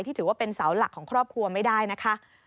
ถือว่าเป็นเสาหลักของครอบครัวไม่ได้นะคะ